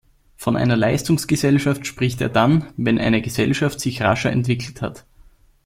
Von einer „Leistungsgesellschaft“ spricht er dann, wenn eine Gesellschaft sich rascher entwickelt hat.